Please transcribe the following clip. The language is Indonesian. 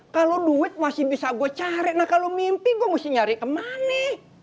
kalau duit masih bisa gue cari nah kalau mimpi gue mesti nyari kemana